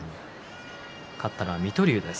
勝ったのは水戸龍です。